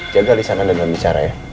jaga lisan anda dalam bicara ya